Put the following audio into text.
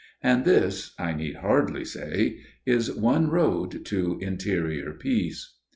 And this, I need hardly say, is one road to interior peace.